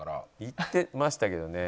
いってましたけどね。